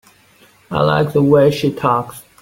I like the way she talks.